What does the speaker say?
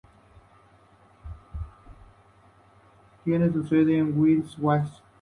Tiene su sede en Wichita Falls.